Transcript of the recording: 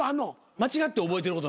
間違って覚えてること？